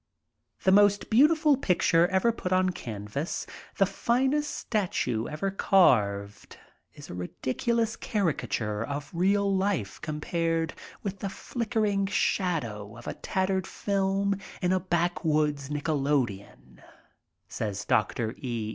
"The most beautiful picture ever put on canvas, the finest statue ever carved, is a ridiculous caricature of real life compared with the flickering shadow of a tattered film m a backwoods nickolodeon,*' says Dr. E.